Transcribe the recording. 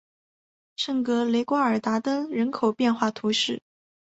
圣格雷瓜尔达登人口变化图示